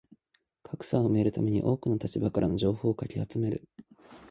格差を埋めるために多くの立場からの情報をかき集める